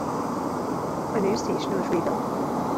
A new station was rebuilt.